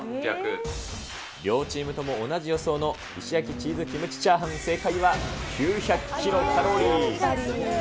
両チームとも同じ予想の石焼チーズキムチチャーハン、正解は９００キロカロリー。